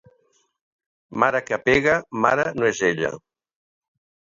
Mare que pega, mare no és ella.